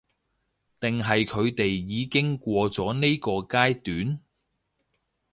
定係佢哋已經過咗呢個階段？